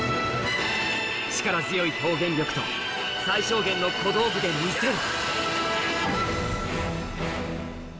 力強い表現力と最小限の小道具で見せる